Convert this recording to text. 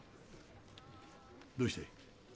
どうした。